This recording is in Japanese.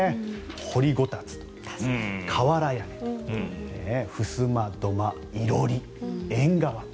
掘りごたつ、瓦屋根とかふすま、土間、囲炉裏、縁側。